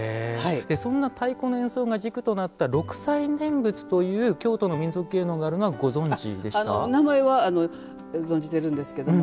そんな太鼓の演奏が軸となった六斎念仏という京都の民俗芸能があるのは名前は存じてるんですけれども。